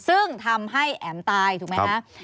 ซึ่งทำให้แอ๋มตายถูกไหมคะ